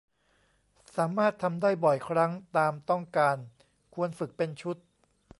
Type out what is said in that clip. สามารถทำได้บ่อยครั้งตามต้องการ ควรฝึกเป็นชุด